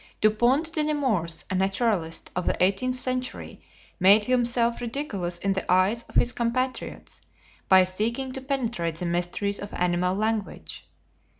Dupont de Nemours, a naturalist of the eighteenth century, made himself ridiculous in the eyes of his compatriots by seeking to penetrate the mysteries of animal language.